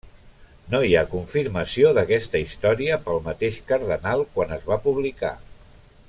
No hi ha confirmació d'aquesta història pel mateix cardenal quan es va publicar.